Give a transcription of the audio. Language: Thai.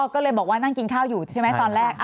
ก็เลยบอกว่านั่งกินข้าวอยู่ใช่ไหมตอนแรก